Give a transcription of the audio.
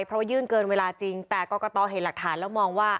เพราะว่ายื่นเกินเวลาจริงแต่กรกตเห็นหลักฐานแล้วมองว่า